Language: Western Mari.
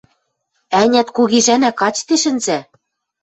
Ӓнят, кугижӓнӓ качде шӹнзӓ?